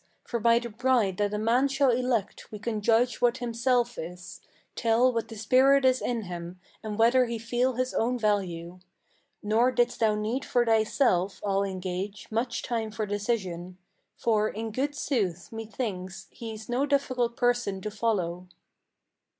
For by the bride that a man shall elect we can judge what himself is, Tell what the spirit is in him, and whether he feel his own value. Nor didst thou need for thyself, I'll engage, much time for decision; For, in good sooth, methinks, he's no difficult person to follow."